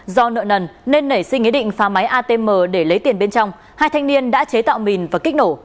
do nợ nần nên nảy sinh ý định phá máy atm để lấy tiền bên trong hai thanh niên đã chế tạo mìn và kích nổ